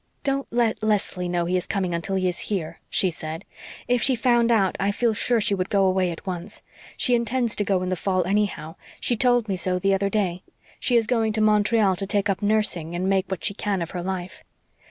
"Don't let Leslie know he is coming until he is here," she said. "If she found out I feel sure she would go away at once. She intends to go in the fall anyhow she told me so the other day. She is going to Montreal to take up nursing and make what she can of her life."